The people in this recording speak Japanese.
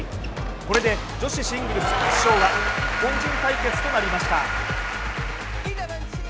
これで女子シングルス決勝は日本人対決となりました。